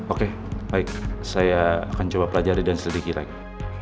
oke baik saya akan coba pelajari dan selidiki lagi